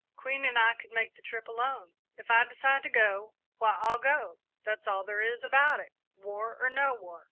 Queen and I could make the trip alone. If I decide to go, why, I'll go that's all there is about it, war or no war.